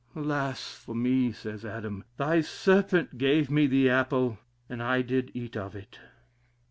Alas! for me, says Adam, thy serpent gave me the apple, and I did eat of it.